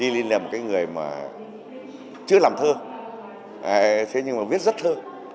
ly là một cái người mà chưa làm thơ thế nhưng mà viết rất thơ